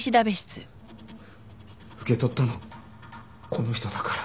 受け取ったのこの人だから。